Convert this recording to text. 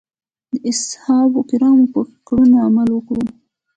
د اصحابو کرامو په کړنو عمل وکړو.